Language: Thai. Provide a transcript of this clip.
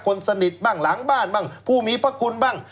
คนสนิทบ้างหลังบ้านบ้างผู้มีพระคุณบ้าง